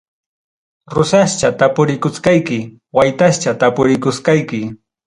Rosascha tapurikusqayki, waytascha tapurikusqayki.